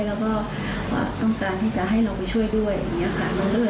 แล้วก็ต้องการที่จะให้เราไปช่วยด้วย